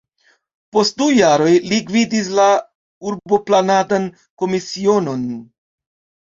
Post du jaroj li gvidis la urboplanadan komisionon.